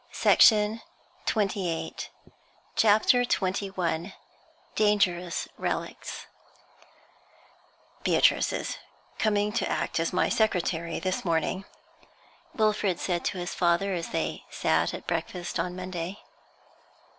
Beatrice was satisfied. CHAPTER XXI DANGEROUS RELICS 'Beatrice is coming to act as my secretary this morning,' Wilfrid said to his father, as they sat at breakfast on Monday.